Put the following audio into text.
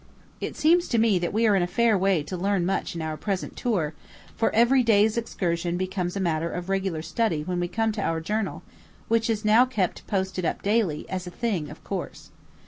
It seems to me that we are in a fair way to learn much in our present tour, for every day's excursion becomes a matter of regular study when we come to our journal, which is now kept posted up daily, as a thing of course.